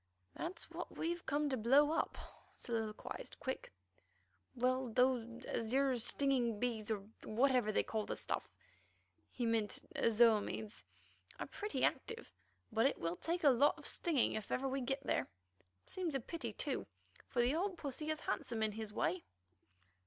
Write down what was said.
"That's what we have come to blow up," soliloquized Quick. "Well, those 'azure stinging bees,' or whatever they call the stuff (he meant azo imides) are pretty active, but it will take a lot of stirring if ever we get there. Seems a pity, too, for the old pussy is handsome in his way."